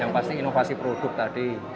yang pasti inovasi produk tadi